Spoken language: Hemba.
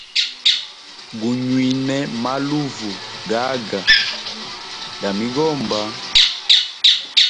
Gunywine maluvu gaga ga migomba.